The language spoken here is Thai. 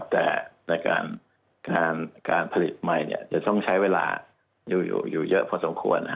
แต่ในการผลิตใหม่จะต้องใช้เวลาอยู่เยอะพอสมควร